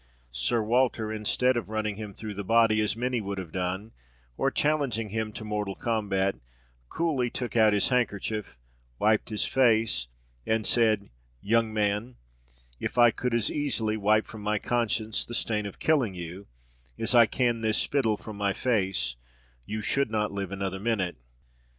Sir Walter, instead of running him through the body, as many would have done, or challenging him to mortal combat, coolly took out his handkerchief, wiped his face, and said, "Young man, if I could as easily wipe from my conscience the stain of killing you, as I can this spittle from my face, you should not live another minute."